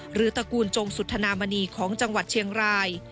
ตระกูลจงสุธนามณีของจังหวัดเชียงราย